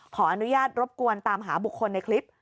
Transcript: ขออนุญาตรบกวนตามหาบุคคลในคลิป